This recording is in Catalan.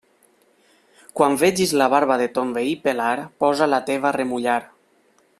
Quan vegis la barba de ton veí pelar, posa la teva a remullar.